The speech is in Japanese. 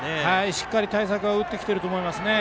しっかり対策は打ってきていると思います。